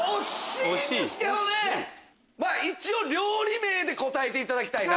一応料理名答えていただきたい。